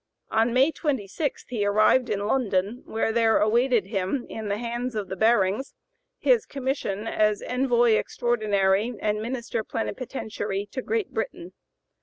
On May 26 he arrived in London, where there awaited him, in the hands of the Barings, his commission as Envoy Extraordinary and Minister Plenipotentiary to Great Britain.